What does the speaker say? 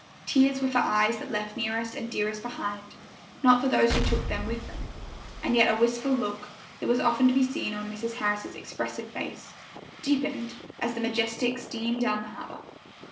Tears were for eyes that left nearest and dearest behind, not for those who took them with them; and yet a wistful look, that was often to be seen on Mrs. Harris's expressive face, deepened as the Majestic steamed down the harbor.